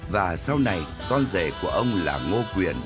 và sau này con rể của ông là ngô quyền